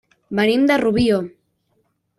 Venim de Rubió.